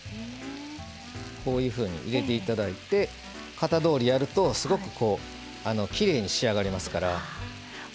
こういうふうに入れていただいて型どおりやると、すごくきれいに仕上がりますから。